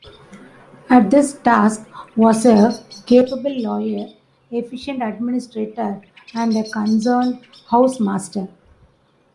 At this task was a "capable lawyer, efficient administrator and concerned housemaster".